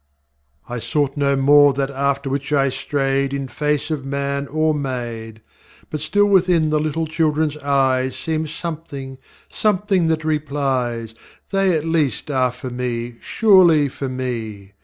ŌĆÖ I sought no more that after which I strayed In face of man or maid; But still within the little childrenŌĆÖs eyes Seems something, something that replies, They at least are for me, surely for me!